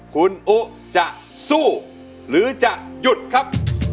คุณอุ๊จะสู้หรือจะหยุดครับ